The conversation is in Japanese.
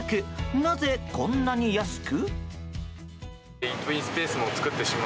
なぜ、こんなに安く？